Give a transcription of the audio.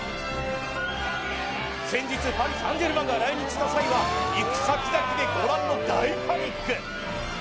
先日パリ・サン＝ジェルマンが来日した際は行く先々でご覧の大パニック